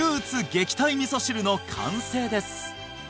撃退味噌汁の完成です